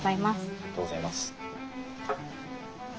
ありがとうございます。